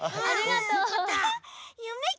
ありがとう！